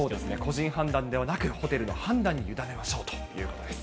個人判断ではなく、ホテルの判断に委ねましょうということです。